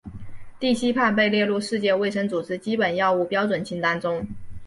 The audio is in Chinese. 地西泮被列入世界卫生组织基本药物标准清单中。